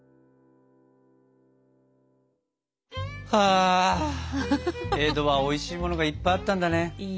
あ江戸はおいしいものがいっぱいあったんだね。